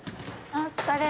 お疲れ。